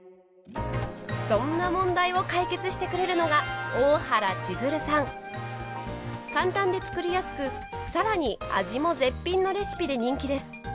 そんな問題を解決してくれるのが簡単で作りやすく更に味も絶品のレシピで人気です。